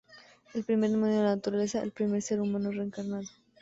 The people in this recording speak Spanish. El primer demonio de la naturaleza, el primer ser humano reencarnado.